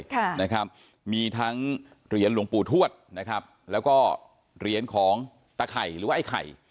ครับนะครับมีทั้งเหรียญหลวงปู่ถวัสนะครับแล้วก็เหรียญของตะไข่รู้